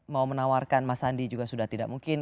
mau menawarkan mas andi juga sudah tidak mungkin